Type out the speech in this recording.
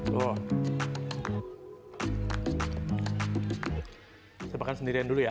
saya makan sendirian dulu ya